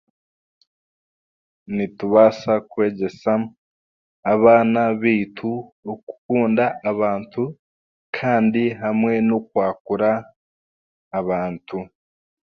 Nitubaasa kwegyesa abaana baitu okukunda abantu kandi hamwe n'okwakura abantu.